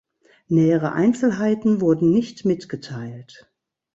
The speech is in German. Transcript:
Nähere Einzelheiten wurden nicht mitgeteilt.